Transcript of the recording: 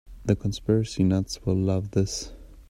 The conspiracy nuts will love this.